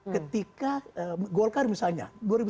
ketika golkar misalnya